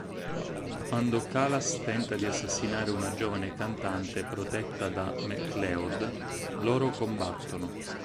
Quando Kalas tenta di assassinare una giovane cantante protetta da MacLeod, loro combattono.